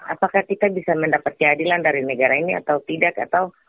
apakah kita bisa mendapat keadilan dari negara ini atau tidak atau